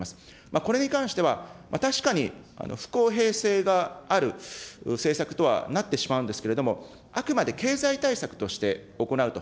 これに関しては、確かに、不公平性がある政策とはなってしまうんですけれども、あくまで経済対策として行うと。